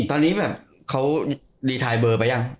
ตอนนี้แบบเขารีไทนเบอร์ไปยัง